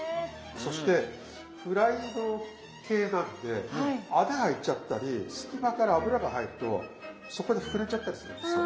そしてフライド系なんで穴が開いちゃったり隙間から油が入るとそこで膨れちゃったりするんですよ。